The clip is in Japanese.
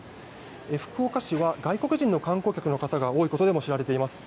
福岡市は外国人の観光客の方が多いことでも知られています。